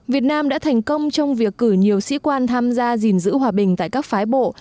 việt nam đã thành công trong việc cử nhiều sĩ quan tham gia gìn giữ hòa bình tại các phái bộ